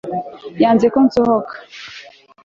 yanze ko nsohoka ejo